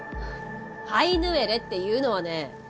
ハイヌウェレっていうのはね。